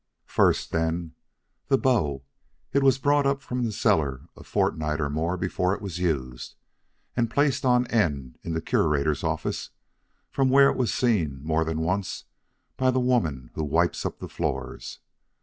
"First then, the bow. It was brought up from the cellar a fortnight or more before it was used, and placed on end in the Curator's office, where it was seen more than once by the woman who wipes up the floors.